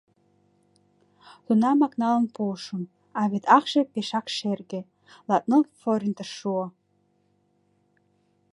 Тунамак налын пуышым, а вет акше пешак шерге — латныл форинтыш шуо.